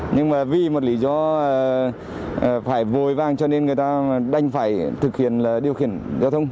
nhưng vì một lý do phải vội vàng cho nên người ta đánh phải thực hiện điều khiển giao thông